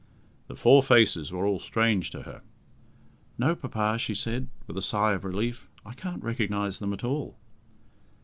The four faces were all strange to her. "No, papa," she said, with a sigh of relief, "I can't recognize them at all."